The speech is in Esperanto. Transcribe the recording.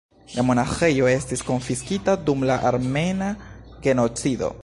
La monaĥejo estis konfiskita dum la Armena genocido.